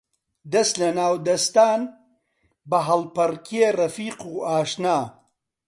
دەس لە ناو دەستان، بە هەڵپەڕکێ ڕەفیق و ئاشنا